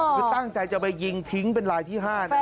คือตั้งใจจะไปยิงทิ้งเป็นลายที่๕นะครับ